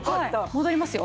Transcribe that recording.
戻りますよ？